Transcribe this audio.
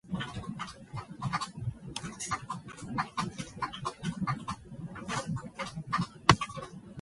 Ward became one of the most accomplished mini-bike motocross racers of his era.